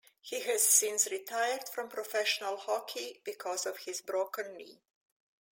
He has since retired from professional hockey because of his broken knee.